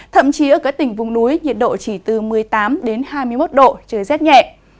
thậm chí ở các tỉnh vùng núi nhiệt độ chỉ từ một mươi tám hai mươi một độ trời rét nhẹ